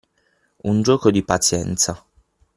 Un gioco di pazienza.